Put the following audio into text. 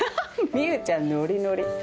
美羽ちゃんノリノリ。